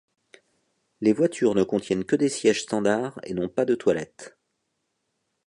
Les voitures ne contiennent que des sièges standard et n'ont pas de toilettes.